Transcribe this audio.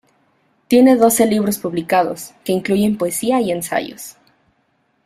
Tiene doce libros publicados, que incluyen poesía y ensayos.